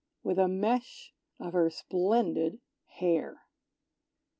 With a mesh of her splendid hair.